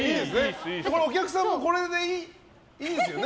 お客さんもこれでいいですね？